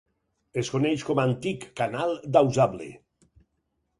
Es coneix com a Antic canal d'Ausable.